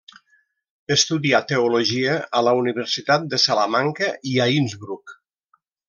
Estudià teologia a la Universitat de Salamanca i a Innsbruck.